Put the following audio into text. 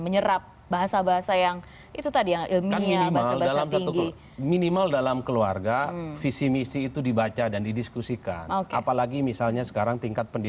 pecelele lah itu sekarang ini